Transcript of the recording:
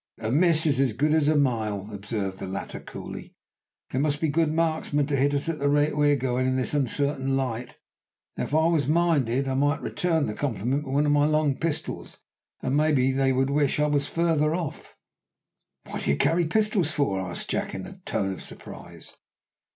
"A miss is as good as a mile," observed the latter coolly. "They must be good marksmen to hit us at the rate we are going in this uncertain light. Now, if I was minded, I might return the compliment with one of my long pistols, and maybe they would wish I was farther off." "What do you carry pistols for?" asked Jack in a tone of surprise.